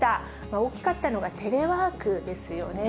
大きかったのがテレワークですよね。